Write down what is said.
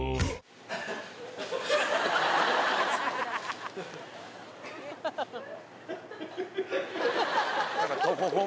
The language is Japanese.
ハハハハ！